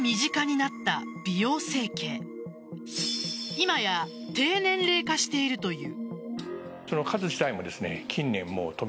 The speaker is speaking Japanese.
今や、低年齢化しているという。